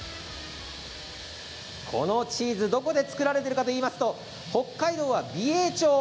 このチーズ、どこで作られているかといいますと北海道は美瑛町。